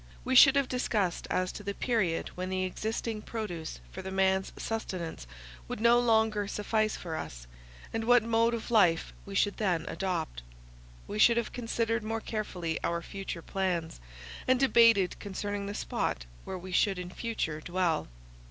We should have discussed as to the period when the existing produce for man's sustenance would no longer suffice for us, and what mode of life we should then adopt. We should have considered more carefully our future plans, and debated concerning the spot where we should in future dwell.